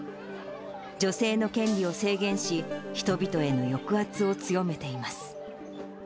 女性の権利を制限し、人々への抑圧を強めています。